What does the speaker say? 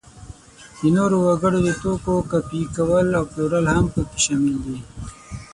د نورو وګړو د توکو کاپي کول او پلورل هم په کې شامل دي.